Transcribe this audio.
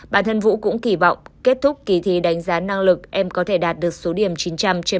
bản thân vũ cũng kỳ vọng kết thúc kỳ thi đánh giá năng lực em có thể đạt được số điểm chín trăm linh trên một hai trăm linh